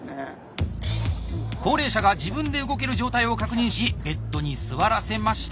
高齢者が自分で動ける状態を確認しベッドに座らせました。